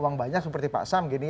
uang banyak seperti bang sam